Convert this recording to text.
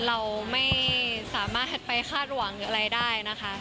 เราไม่สามารถไปคาดหวังหรืออะไรได้นะคะ